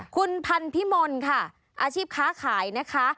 คุณพันธิมลค่ะอาชีพค้าขายนะคะ